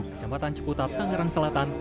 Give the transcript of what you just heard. di kecamatan ceputat tanggerang selatan